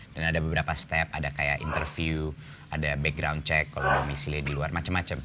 dan ada beberapa step ada kayak interview ada background check kalau domisili di luar macem macem